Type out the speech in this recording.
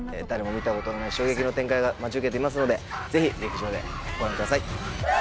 誰も見たことのない衝撃の展開が待ち受けていますのでぜひ劇場でご覧ください。